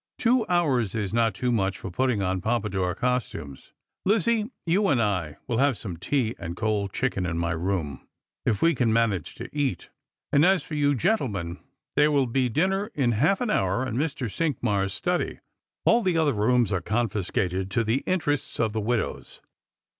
Two hours is not too much for putting on Pompa dour costumes. Lizzie, you and I will have some tea and cold chicken in my room, if we can manage to eat ; and as for you, gentlemen, there will be dinner in half an hour in Mr. Cinqniars* study. All the other rooms are confiscated to the interests of the widows."